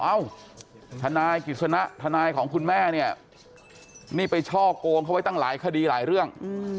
ทนายกิจสนะทนายของคุณแม่เนี่ยนี่ไปช่อโกงเขาไว้ตั้งหลายคดีหลายเรื่อง